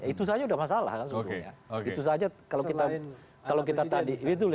itu saja sudah masalah kan sebetulnya